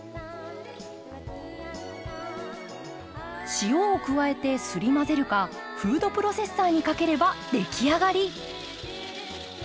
塩を加えてすり混ぜるかフードプロセッサーにかければ出来上がり。